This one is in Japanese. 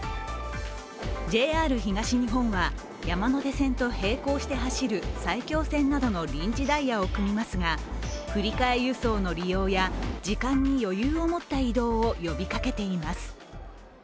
ＪＲ東日本は山手線と並行して走る埼京線などの臨時ダイヤを組みますが振り替え輸送の利用や時間に余裕を持った移動を呼びかけています。